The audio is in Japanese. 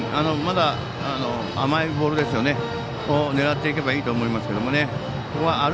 まだ、甘いボールを狙っていけばいいと思いますけど。